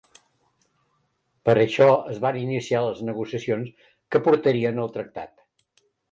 Per això es van iniciar les negociacions que portarien al Tractat.